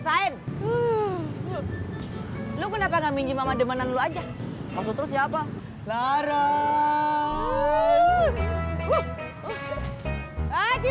selain bukti yang masih ada tip lo butuh apa lagi